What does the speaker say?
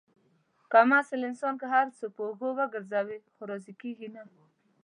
کم اصل انسان که هر څو په اوږو وگرځوې، خو راضي کېږي نه.